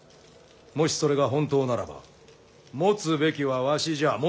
もしそれが本当ならば持つべきはわしじゃ。